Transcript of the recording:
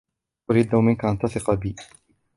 أريد منك أن تثق بي.